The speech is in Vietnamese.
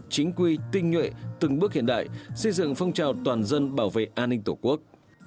chính quy tinh nhuệ từng bước hiện đại xây dựng phong trào toàn dân bảo vệ an ninh tổ quốc